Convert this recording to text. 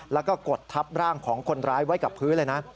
แล้วก็กดทับร่างของคนร้ายไว้กับพื้นเลยนะ